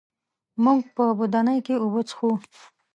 موږ په بدنۍ کي اوبه څښو.